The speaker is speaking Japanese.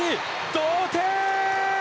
同点！